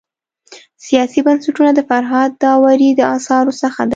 سیاسي بنسټونه د فرهاد داوري د اثارو څخه دی.